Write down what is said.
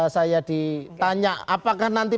saya ditanya apakah nanti